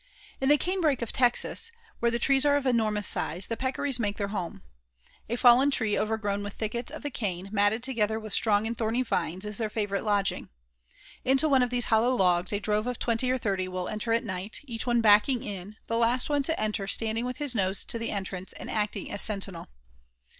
In the canebrakes of Texas, where the trees are of enormous size, the Peccaries make their home. A fallen tree overgrown with thickets of the cane, matted together with strong and thorny vines, is their favorite lodging. Into one of these hollow logs a drove of twenty or thirty will enter at night, each one backing in, the last one to enter standing with his nose to the entrance and acting as sentinel.